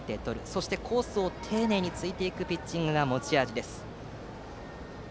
そしてコースを丁寧に突いていくピッチングが持ち味。